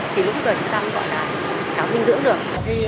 thì lúc đó chúng ta gọi là cháo dinh dưỡng được